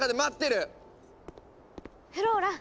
フローラ。